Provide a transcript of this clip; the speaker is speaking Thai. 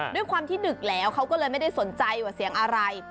ด้วยความที่ดึกแล้วเขาก็เลยไม่ได้สนใจว่าเสียงอะไร